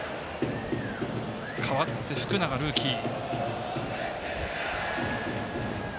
変わって、福永、ルーキー。